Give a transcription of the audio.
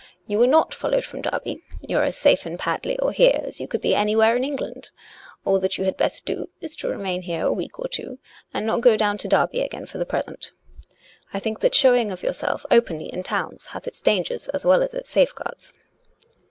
You were not followed from Derby; you are as safe in Padley or here as you could be anywhere in England. All that you had best do is to remain here a week or two and not go down to Derby again for the pres ent. I think that showing of yourself openly in towns hath its dangers as well as its safeguards."